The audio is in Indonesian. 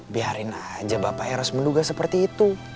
biarin aja bapak harus menduga seperti itu